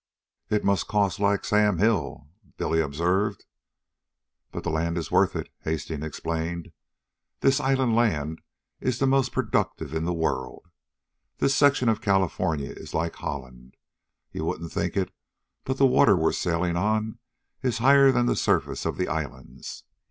"It must cost like Sam Hill," Billy observed. "But the land is worth it," Hastings explained. "This island land is the most productive in the world. This section of California is like Holland. You wouldn't think it, but this water we're sailing on is higher than the surface of the islands.